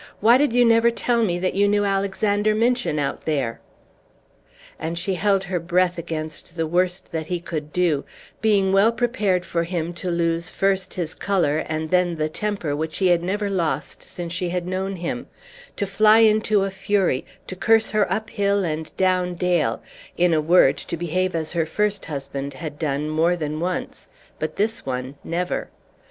Why did you never tell me that you knew Alexander Minchin out there?" And she held her breath against the worst that he could do, being well prepared for him to lose first his color and then the temper which he had never lost since she had known him; to fly into a fury, to curse her up hill and down dale in a word, to behave as her first husband had done more than once, but this one never.